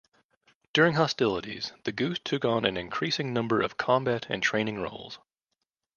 During hostilities, the Goose took on an increasing number of combat and training roles.